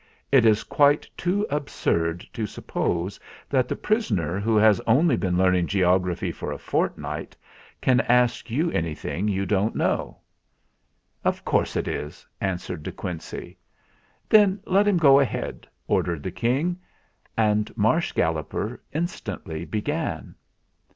It is quite too absurd to suppose that the prisoner, who has only been THE JACKY TOAD FAILS 247 learning geography for a fortnight, can ask you anything you don't know." "Of course it is," answered De Quincey. "Then let him go ahead !" ordered the King, and Marsh Galloper instantly began.